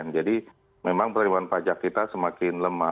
jadi memang penerimaan pajak kita semakin lemah